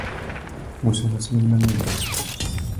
Му се насмевна нему.